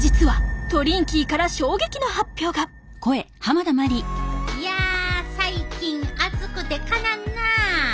実はいや最近暑くてかなわんな。